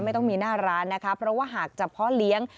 ไม่ต้องมีหน้าร้านนะคะเพราะว่าหากจะเพาะเลี้ยง